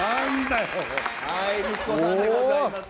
息子さんでございます。